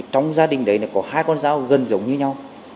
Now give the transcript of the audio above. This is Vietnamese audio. trong gia đình đấy có hai con dao gần giống như nhau